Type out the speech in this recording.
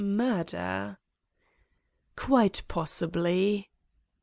. murder ?"" Quite possibly."